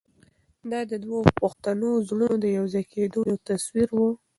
دا د دوو پښتنو زړونو د یو ځای کېدو یو تصویر و.